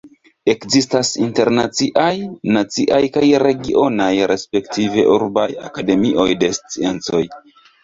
Ekzistas internaciaj, naciaj kaj regionaj respektive urbaj Akademioj de Sciencoj.